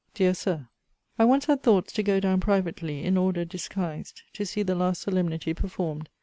DEAR SIR, I once had thoughts to go down privately, in order, disguised, to see the last solemnity performed.